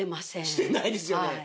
してないですよね。